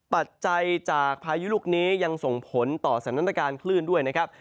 ปัจจัยจากพายุลูกนี้ยังส่งผลต่อสถานการณ์คลื่นด้วยนะครับ